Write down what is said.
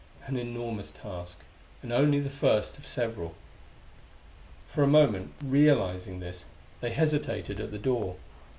An enormous task. And only the first of several. For a moment, realizing this, they hesitated at the door.